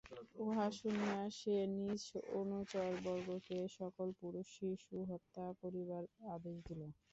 উহা শুনিয়া সে নিজ অনুচরবর্গকে সকল পুরুষ-শিশু হত্যা করিবার আদেশ দিল।